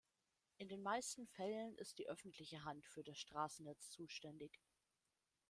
In den meisten Fällen ist die öffentliche Hand für das Straßennetz zuständig.